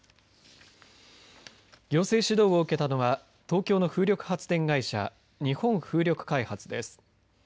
行政指導を受けたのは東京の風力発電会社日本風力開発です。